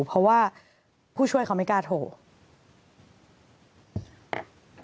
เพราะว่าผู้ช่วยเขาไม่กล้าโทร